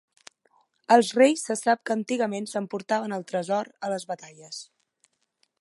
Els reis se sap que antigament s'emportaven el tresor a les batalles.